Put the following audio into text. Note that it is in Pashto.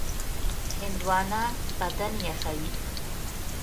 هندوانه بدن یخوي.